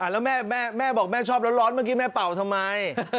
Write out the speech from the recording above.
แล้วแม่บอกแม่ชอบร้อนเมื่อกี้แม่เป่าทำไม